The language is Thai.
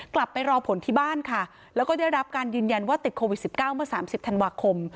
กลับไปรอผลที่บ้านค่ะแล้วก็ได้รับการยืนยันว่าติดโควิด๑๙เมื่อ๓๐ธันวาคม